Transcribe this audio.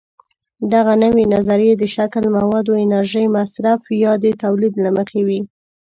دغه نوې نظریې د شکل، موادو، انرژۍ مصرف یا د تولید له مخې وي.